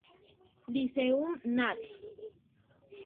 Lyceum Nat.